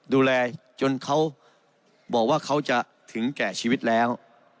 ดูแลจนเขาบอกว่าเขาจะถึงแก่ชีวิตแล้ว